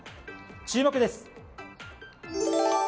注目です。